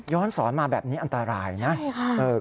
สอนมาแบบนี้อันตรายนะใช่ค่ะ